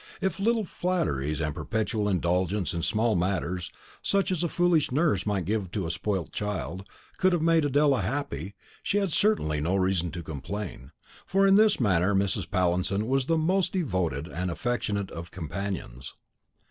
If little flatteries, and a perpetual indulgence in all small matters, such as a foolish nurse might give to a spoilt child, could have made Adela happy, she had certainly no reason to complain, for in this manner Mrs. Pallinson was the most devoted and affectionate of companions.